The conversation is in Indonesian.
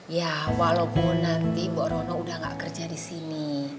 ya walaupun nanti mbak rono udah gak kerja disini